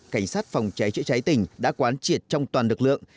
cảnh sát phòng cháy chữa cháy tỉnh đã quán triệt trong toàn lực lượng